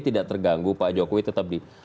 tidak terganggu pak jokowi tetap di